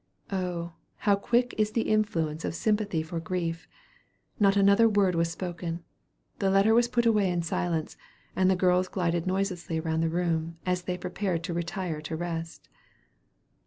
Oh, how quick is the influence of sympathy for grief! Not another word was spoken. The letter was put away in silence, and the girls glided noiselessly around the room, as they prepared to retire to rest.